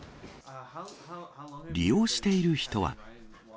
利用している人は。